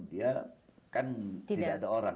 dia kan tidak ada orang